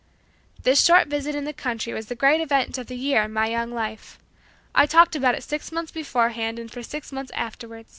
This short visit in the country was the great event of the year in my young life. I talked about it six months beforehand and for six months afterward.